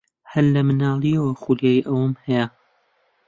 هەر لە منداڵییەوە خولیای ئەوەم هەیە.